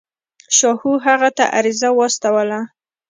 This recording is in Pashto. شاهو هغه ته عریضه واستوله.